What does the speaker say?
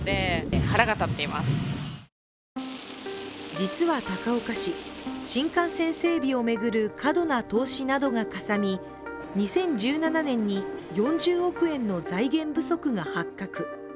実は高岡市、新幹線整備を巡る過度な投資などがかさみ２０１７年に４０億円の財源不足が発覚。